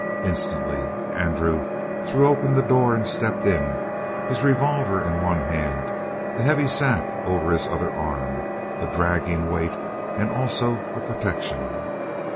Instantly Andrew threw open the door and stepped in, his revolver in one hand, the heavy sack over his other arm, a dragging weight and also a protection.